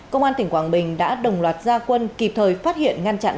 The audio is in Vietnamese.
công an tỉnh quảng bình đã đồng loạt gia quân kịp thời phát hiện ngăn chặn